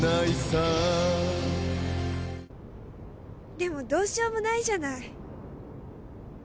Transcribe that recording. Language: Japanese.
でもどうしようもないじゃない。